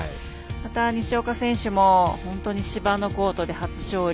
西岡選手も本当に芝のコートで初勝利。